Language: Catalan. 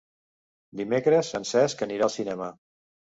Dimecres en Cesc anirà al cinema.